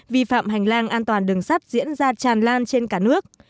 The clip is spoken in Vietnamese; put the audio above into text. vi phạm hành lang an toàn đường sắt diễn ra tràn lan trên cả nước